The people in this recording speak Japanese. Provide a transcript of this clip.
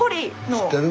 知ってる？